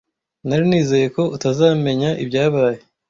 Nari nizeye ko utazamenya ibyabaye.